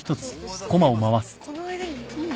この間に。